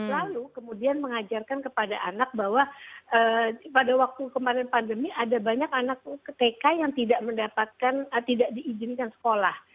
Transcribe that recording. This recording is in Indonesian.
lalu kemudian mengajarkan kepada anak bahwa pada waktu kemarin pandemi ada banyak anak tk yang tidak mendapatkan tidak diizinkan sekolah